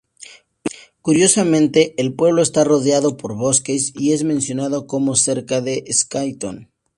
Curiosamente, el pueblo está rodeado por bosques y es mencionado como "cerca de Saskatoon".